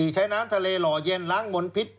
ใช้น้ำทะเลหล่อเย็นล้างมนพิษ